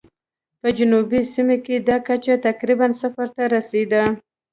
په جنوبي سیمو کې دا کچه تقریباً صفر ته رسېده.